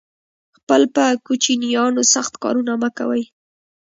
خپل په کوچینیانو سخت کارونه مه کوی